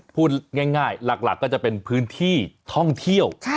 พูดง่ายหลักก็จะเป็นพื้นที่ท่องเที่ยว